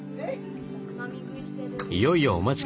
いよいよお待ち